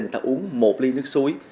người ta uống một ly nước suối